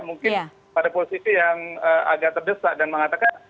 mungkin pada posisi yang agak terdesak dan mengatakan